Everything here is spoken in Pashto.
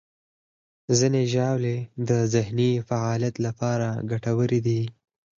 ځینې ژاولې د ذهني فعالیت لپاره ګټورې دي.